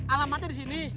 alamatnya di sini